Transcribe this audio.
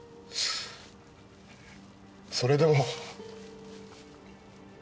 それでも。